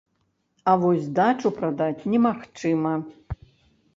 А вось дачу прадаць немагчыма.